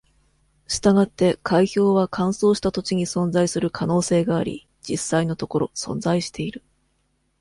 したがって、海標は乾燥した土地に存在する可能性があり、実際のところ存在している。